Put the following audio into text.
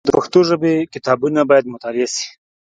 د پښتو ژبي کتابونه باید مطالعه سي.